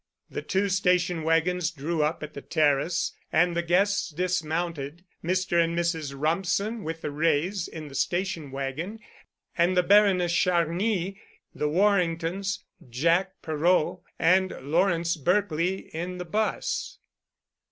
The two station wagons drew up at the terrace, and the guests dismounted. Mr. and Mrs. Rumsen with the Wrays in the station wagon, and the Baroness Charny, the Warringtons, Jack Perot, and Lawrence Berkely in the 'bus.